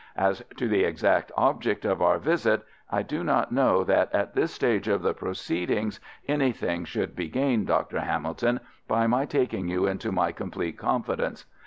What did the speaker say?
As to the exact object of our visit, I do not know that at this stage of the proceedings anything would be gained, Dr. Hamilton, by my taking you into my complete confidence.